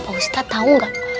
opa ustadz tahu enggak